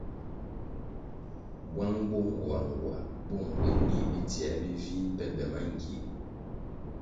Bwang bo ngoangoa bo mbweh nih bidzioe bivih pe be mangie.